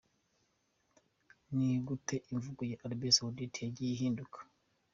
Ni gute imvugo ya Arabie Saoudite yagiye ihinduka? .